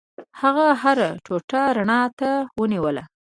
هغه هره ټوټه رڼا ته ونیوله.